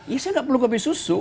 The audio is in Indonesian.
ya saya nggak perlu kopi susu